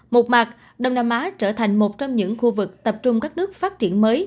một mặt đông nam á trở thành một trong những khu vực tập trung các nước phát triển mới